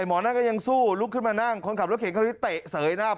หมอนั่นก็ยังสู้ลุกขึ้นมานั่งคนขับรถเก่งคราวนี้เตะเสยหน้า